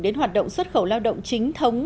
đến hoạt động xuất khẩu lao động chính thống